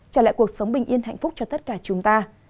trả lại cuộc sống bình yên hạnh phúc cho tất cả chúng ta